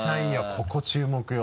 ここ注目よ。